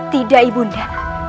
tidak ibu nda